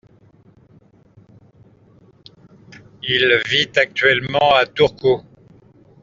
Il vit actuellement à Turku.